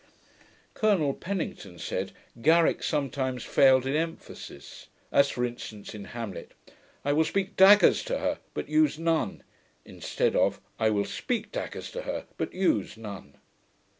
Colonel Pennington said, Garrick sometimes failed in emphasis; as for instance, in Hamlet, I will speak DAGGERS to her; but use NONE, instead of I will SPEAK daggers to her; but USE none.